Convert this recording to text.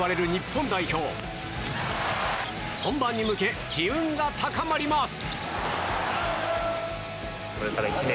本番に向け機運が高まります！